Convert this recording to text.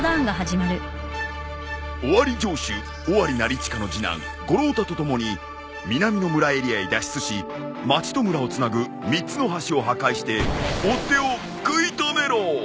オワリ城主オワリ成親の次男五郎太と共に南の村エリアへ脱出し町と村をつなぐ３つの橋を破壊して追っ手をくい止めろ。